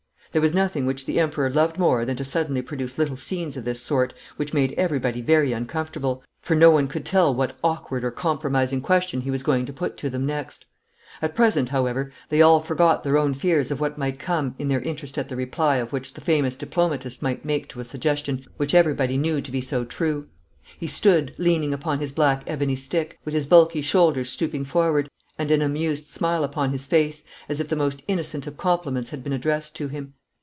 There was nothing which the Emperor loved more than to suddenly produce little scenes of this sort which made everybody very uncomfortable, for no one could tell what awkward or compromising question he was going to put to them next. At present, however, they all forgot their own fears of what might come in their interest at the reply which the famous diplomatist might make to a suggestion which everybody knew to be so true. He stood, leaning upon his black ebony stick, with his bulky shoulders stooping forward, and an amused smile upon his face, as if the most innocent of compliments had been addressed to him.